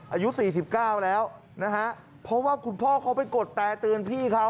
อายุ๔๙แล้วนะฮะเพราะว่าคุณพ่อเขาไปกดแตรเตือนพี่เขา